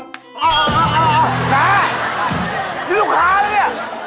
นี่ลูกค้าหรือเนี่ย